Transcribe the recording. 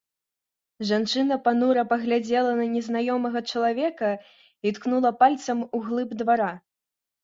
Жанчына панура паглядзела на незнаёмага чалавека і ткнула пальцам у глыб двара.